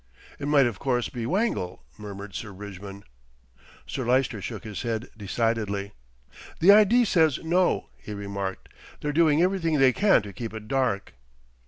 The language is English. "It might of course be wangle," murmured Sir Bridgman. Sir Lyster shook his head decidedly. "The I.D. says no," he remarked. "They're doing everything they can to keep it dark."